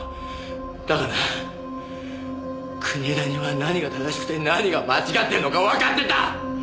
だがな国枝には何が正しくて何が間違ってるのかわかってた！